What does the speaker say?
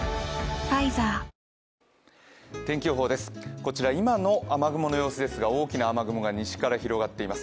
こちら今の雨雲の様子ですが、大きな雨雲が西から広がっています。